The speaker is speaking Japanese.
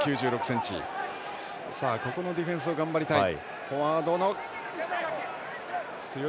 ディフェンスを頑張りたい。